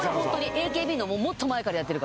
ＡＫＢのもっと前からやってるから。